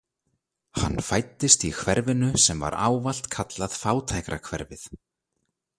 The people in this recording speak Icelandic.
Hann fæddist í hverfinu sem var ávallt kallað fátækrahverfið.